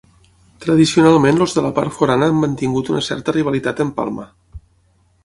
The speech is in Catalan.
Tradicionalment els de la part forana han mantingut una certa rivalitat amb Palma.